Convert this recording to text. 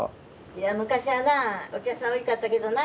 いや昔はなあお客さん多いかったけどな。